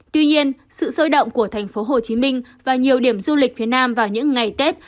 tuy nhiên sự sôi động của tp hcm và nhiều điểm du lịch phía nam vào những ngày tết